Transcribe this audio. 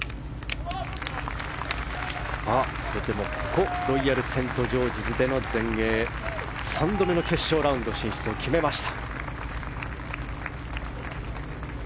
それでもロイヤルセントジョージズでの３度目の決勝ラウンド進出を決めました。